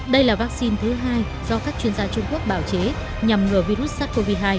đây là vaccine thứ hai do các chuyên gia trung quốc bảo chế nhằm ngừa virus sars cov hai